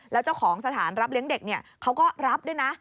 แล้วเจ้าของสถานรับเลี้ยงเด็กเขาก็รับด้วยนะ